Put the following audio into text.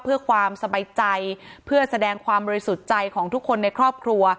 เพื่อความสบายใจเพื่อแสดงความบริสุทธิ์ใจของทุกคนในครอบครัว